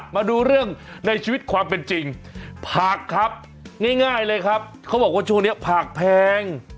มาดูเรื่องในชีวิตความเป็นจริงผักครับง่ายเลยครับเขาบอกว่าช่วงนี้ผักแพง